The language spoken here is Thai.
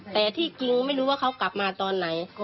แต่ที่จริงไม่รู้ว่าเขากลับมาตอนไหน